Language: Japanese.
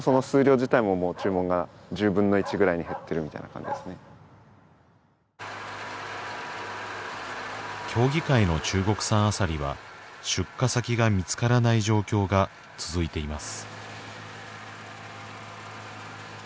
ほんとですか協議会の中国産アサリは出荷先が見つからない状況が続いています